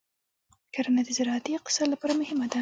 کرنه د زراعتي اقتصاد لپاره مهمه ده.